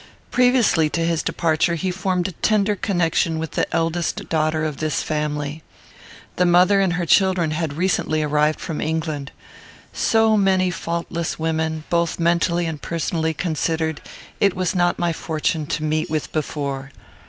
"Previously to his departure, he formed a tender connection with the eldest daughter of this family. The mother and her children had recently arrived from England. So many faultless women, both mentally and personally considered, it was not my fortune to meet with before.